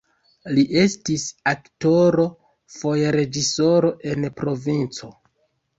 Li estis aktoro, foje reĝisoro en provinco.